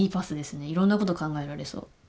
いろんなこと考えられそう。